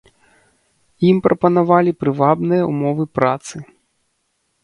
Ім прапанавалі прывабныя ўмовы працы.